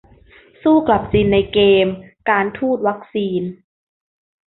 สู้กลับจีนในเกม "การทูตวัคซีน"